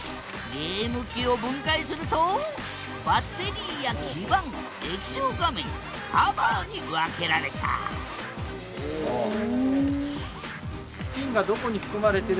ゲーム機を分解するとバッテリーや基板液晶画面カバーに分けられたふん。